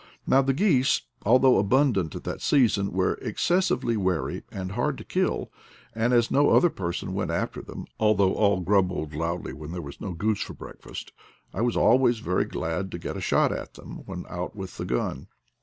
Now the geese, although abundant at that sea son, were excessively wary, and hard to kill; and as no other person went after them, although all grumbled loudly when there was no goose for breakfast, I was always very glad to get a shot at them when out with the gun.